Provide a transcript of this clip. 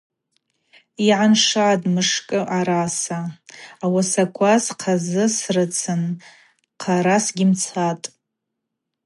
Йгӏаншатӏ мшкӏы араса: ауасаква схъазы срыцын, хъара сгьымцатӏ.